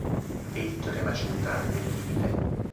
Vedi teorema centrale del limite.